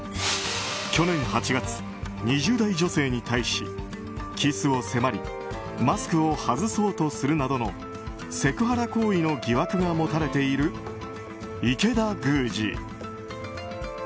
去年８月、２０代女性に対しキスを迫りマスクを外そうとするなどのセクハラ行為の疑惑が持たれている池田宮司。